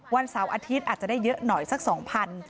วันเสาร์อาทิตย์อาจจะได้เยอะหน่อยสัก๒๐๐บาท